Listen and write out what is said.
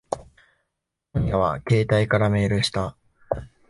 今夜は携帯からメールした。